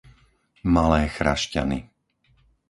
Malé Chrašťany